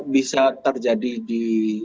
bisa terjadi di